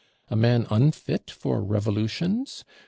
A man unfit for Revolutions?